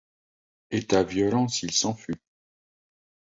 État violent, s’il en fut.